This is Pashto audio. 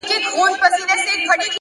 هره تجربه یو نوی دریځ ورکوي.